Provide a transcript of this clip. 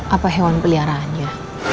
apa hewan peliharaannya